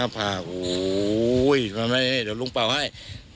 หน้าผ้าโอ้โหทำไมในนี้เดี๋ยวลุงเป่าให้